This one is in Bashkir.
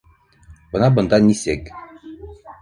Бына бында нисек